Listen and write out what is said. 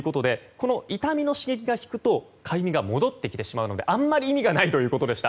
痛みの刺激が引くとかゆみが戻ってきてしまうのであまり意味がないそうです。